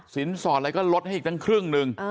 สินสอดอะไรก็ลดให้อีกตั้งครึ่งหนึ่ง